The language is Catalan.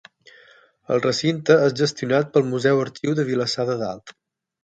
El recinte és gestionat pel Museu-Arxiu de Vilassar de Dalt.